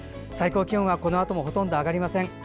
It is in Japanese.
最高気温はこのあともほとんど上がりません。